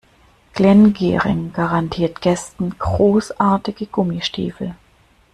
Glenn Gehring garantiert Gästen großartige Gummistiefel.